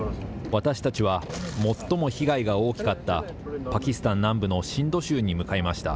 私たちは最も被害が大きかった、パキスタン南部のシンド州に向かいました。